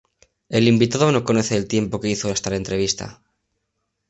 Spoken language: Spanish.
El invitado no conoce el tiempo que hizo hasta la entrevista.